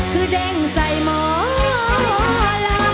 คือเด้งใส่หมอลำ